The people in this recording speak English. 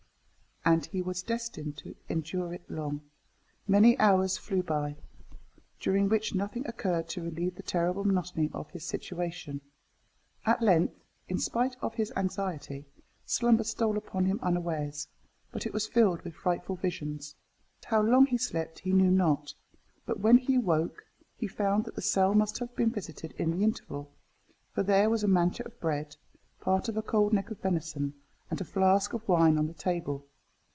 And he was destined to endure it long. Many hours flew by, during which nothing occurred to relieve the terrible monotony of his situation. At length, in spite of his anxiety, slumber stole upon him unawares; but it was filled with frightful visions. How long he slept he knew not, but when he awoke, he found that the cell must have been visited in the interval, for there was a manchet of bread, part of a cold neck of venison, and a flask of wine on the table.